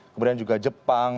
kemudian juga jepang